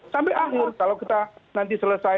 sampai akhir kalau kita nanti selesai